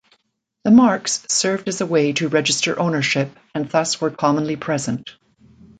The marks served as a way to register ownership and thus were commonly present.